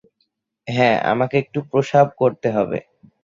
হ্যাঁ - আমাকে একটু প্রসাব করতে হবে।